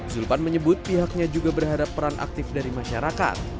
zulpan menyebut pihaknya juga berharap peran aktif dari masyarakat